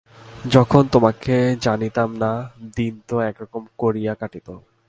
যখন তোমাকে জানিতাম না, দিন তো একরকম করিয়া কাটিত।